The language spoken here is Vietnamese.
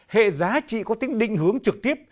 hệ giá trị có tính định hướng trực tiếp